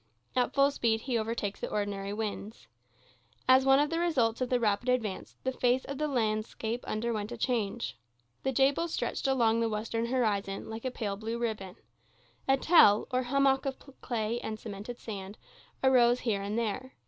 At full speed he overtakes the ordinary winds. As one of the results of the rapid advance, the face of the landscape underwent a change. The Jebel stretched along the western horizon, like a pale blue ribbon. A tell, or hummock of clay and cemented sand, arose here and there.